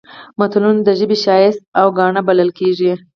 متلونه د ژبې ښایست او ګاڼه بلل کیږي